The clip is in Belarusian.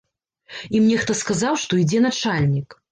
Ім нехта сказаў, што ідзе начальнік.